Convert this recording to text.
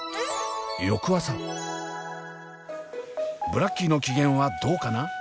ブラッキーの機嫌はどうかな？